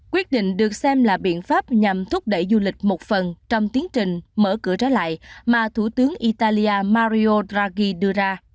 quyết định được xem là biện pháp nhằm thúc đẩy du lịch một phần trong tiến trình mở cửa trở lại mà thủ tướng italia mario ragi đưa ra